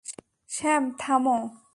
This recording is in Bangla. স্যাম, থামো!